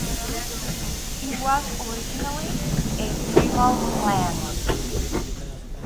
It was originally a tribal land.